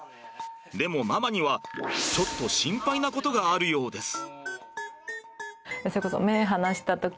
でもママにはちょっと心配なことがあるようです。